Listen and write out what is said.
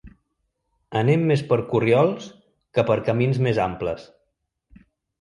Anem més per corriols que per camins més amples.